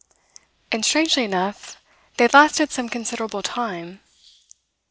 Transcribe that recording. And strangely enough, they lasted some considerable time.